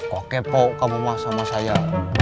kok kepo kamu mah sama saya